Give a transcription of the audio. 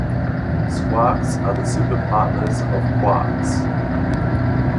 Squarks are the superpartners of quarks.